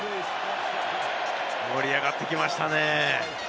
盛り上がってきましたね。